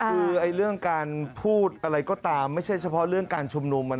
คือเรื่องการพูดอะไรก็ตามไม่ใช่เฉพาะเรื่องการชุมนุม